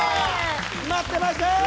待ってました！